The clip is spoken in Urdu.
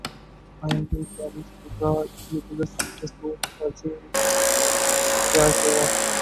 آئین ہند کا مسودہ مجلس دستور ساز نے تیار کیا